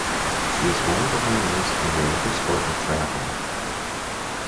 She is one of the pioneers in the Olympic sport of triathlon.